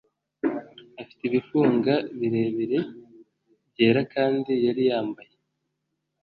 Afite ibifunga birebire byera kandi yari yambaye